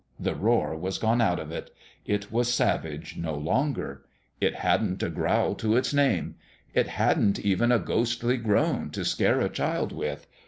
The roar was gone out of it : it was savage no longer. It hadn't a growl to its name : it hadn't even a ghostly groan to scare a child with.